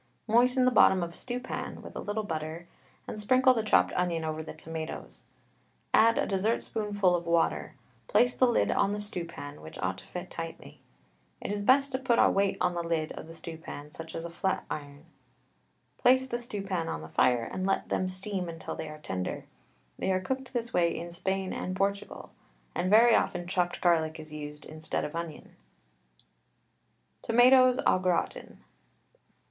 Moisten the bottom of a stew pan with a little butter, and sprinkle the chopped onion over the tomatoes. Add a dessertspoonful of water; place the lid on the stewpan, which ought to fit tightly. It is best to put a weight on the lid of the stew pan, such as a flat iron. Place the stew pan on the fire, and let them steam till they are tender. They are cooked this way in Spain and Portugal, and very often chopped garlic is used instead of onion. TOMATOES AU GRATIN.